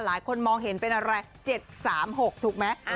หลายคนมองเห็นเป็นอะไร๗๓๖ถูกไหม